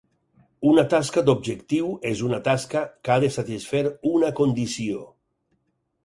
Una tasca d"objectiu és una tasca que ha de satisfer una condició.